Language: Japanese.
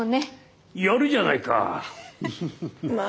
やるじゃないかあ。